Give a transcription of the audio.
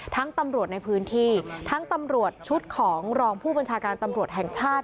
ตำรวจในพื้นที่ทั้งตำรวจชุดของรองผู้บัญชาการตำรวจแห่งชาติ